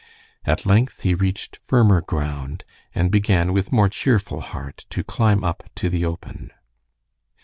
At length he reached firmer ground, and began with more cheerful heart to climb up to the open.